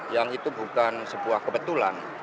yang itu bukan sebuah kebetulan